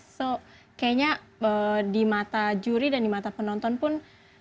so kayaknya di mata juri dan di mata penonton pun